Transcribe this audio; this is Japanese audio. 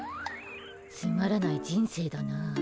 つまらない人生だな。